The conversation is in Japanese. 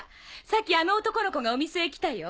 さっきあの男の子がお店へ来たよ。